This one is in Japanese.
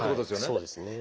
そうですね。